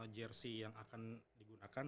jersey yang akan digunakan